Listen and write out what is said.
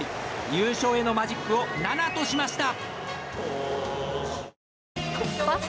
優勝へのマジックを７としました。